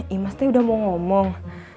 ih mas teh udah mau ngomong